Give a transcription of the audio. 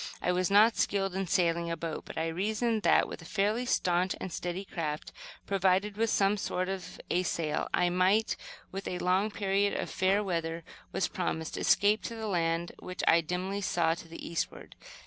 I was not skilled in sailing a boat, but I reasoned that, with a fairly staunch and steady craft, provided with some sort of a sail, I might, when a long period of fair weather was promised, escape to the land which I dimly saw to the eastward.